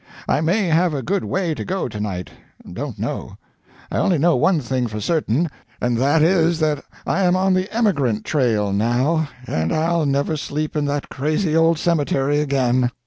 I may have a good way to go to night don't know. I only know one thing for certain, and that is that I am on the emigrant trail now, and I'll never sleep in that crazy old cemetery again.